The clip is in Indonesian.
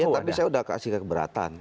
ya tapi saya sudah kasih kekeberatan